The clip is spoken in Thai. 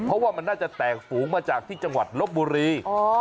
เพราะว่ามันน่าจะแตกฝูงมาจากที่จังหวัดลบบุรี